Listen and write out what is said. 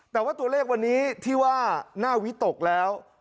แต่ว่าตัวเลขวันนี้ที่ว่าน่าวิตกแล้ว